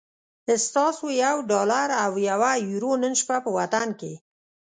ستاسو یو ډالر او یوه یورو نن شپه په وطن کی